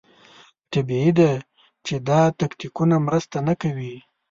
طبیعي ده چې دا تکتیکونه مرسته نه کوي.